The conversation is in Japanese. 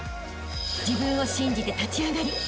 ［自分を信じて立ち上がりあしたへ